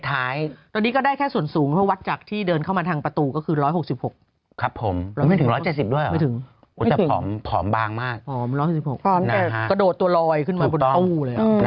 เขาบอกว่าคือใจเย็นเกินนะแม้แต่การเดิน